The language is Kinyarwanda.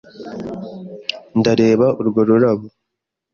Ndareba urwo rurabo.